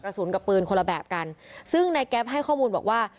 กระสุนกับปืนคนละแบบกันซึ่งนายแก๊ปให้ข้อมูลบอกว่า